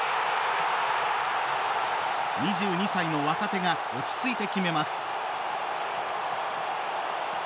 ２２歳の若手が落ち着いて決めます。